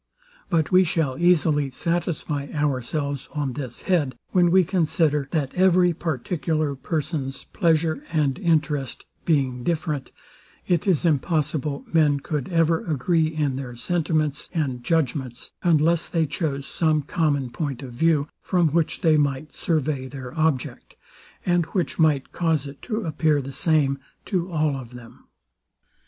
But we shall easily satisfy ourselves on this head, when we consider, that every particular person's pleasure and interest being different, it is impossible men could ever agree in their sentiments and judgments, unless they chose some common point of view, from which they might survey their object, and which might cause it to appear the same to all of them.